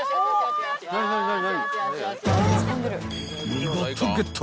［見事ゲット！